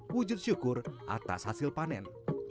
wujud syukur atas hasil panen